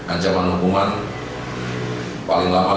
ancaman hukuman paling lama lima belas tahun